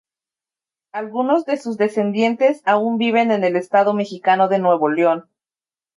Algunos de sus descendientes aún viven en el estado mexicano de Nuevo León.